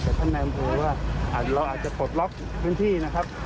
กับท่านแมนพูดว่าเราอาจจะปลดล็อคพื้นที่นะครับ